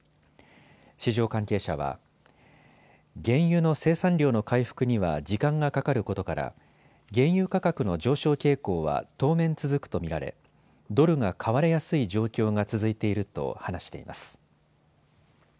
市場関係者は原油の生産量の回復には時間がかかることから原油価格の上昇傾向は当面続くと見られドルが買われやすい状況が続いていると話しています。